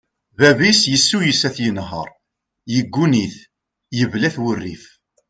Bab-is yessuyes ad t-yenher, yegguni-t, yebla-t wurrif.